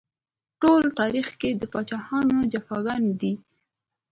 ټول تاريخ کيسې د پاچاهانو جفاګانې دي